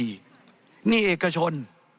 หนี้เอกชน